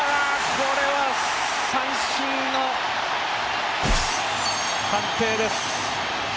これは三振の判定です。